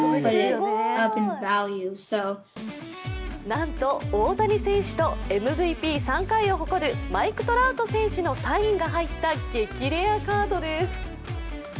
なんと大谷選手とＭＶＰ３回を誇るマイク・トラウト選手のサインが入った激レアカードです。